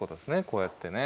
こうやってね。